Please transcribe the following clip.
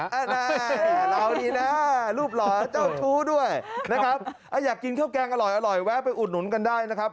เราดีนะรูปหล่อเจ้าชู้ด้วยนะครับอยากกินข้าวแกงอร่อยแวะไปอุดหนุนกันได้นะครับ